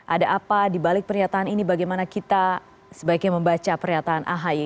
ada apa di balik pernyataan ini bagaimana kita sebaiknya membaca pernyataan ahi